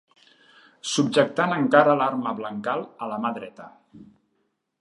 Subjectant encara l'arma blancal a la mà dreta.